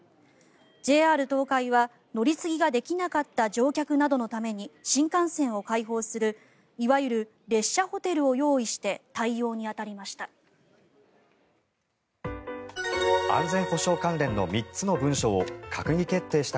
ＪＲ東海は乗り継ぎができなかった乗客などのために新幹線を開放するいわゆる列車ホテルを用意して対応に当たりました。